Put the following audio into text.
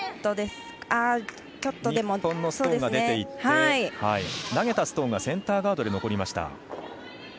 日本のストーンが出ていって投げたストーンがセンターガードで残りました。